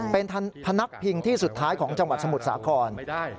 เป็นพนักพิงที่สุดท้ายของจังหวัดสมุทรสาคร